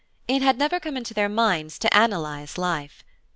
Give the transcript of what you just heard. It had never come into their minds to analyze life.